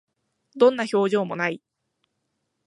どんな表情も無い